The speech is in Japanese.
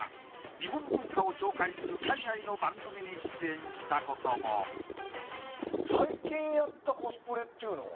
日本文化を紹介する海外の番組に出演したことも最近やったコスプレっていうのは？